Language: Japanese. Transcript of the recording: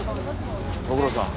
ご苦労さん。